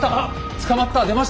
「捕まった」出ました。